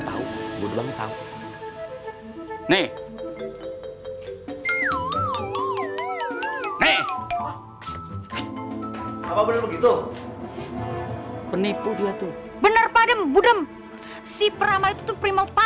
tahu gue doang tahu nih nih apa begitu penipu dia tuh bener padem budem si pramal itu primal